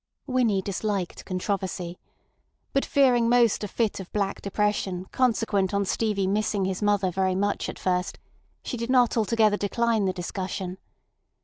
Winnie disliked controversy. But fearing most a fit of black depression consequent on Stevie missing his mother very much at first, she did not altogether decline the discussion.